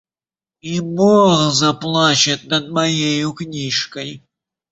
И бог заплачет над моею книжкой!